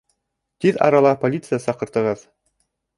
Тиҙ арала полиция саҡыртығыҙ